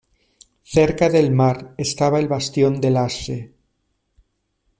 Cerca del mar estaba el bastión de Laxe.